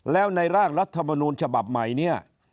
แล้วในร่างรัฐมนูลฉบับใหม่เนี่ย